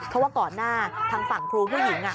เพราะว่าก่อนหน้าทางฝั่งครูผู้หญิง